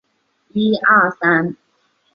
王舟舟是中国男子跳高运动员。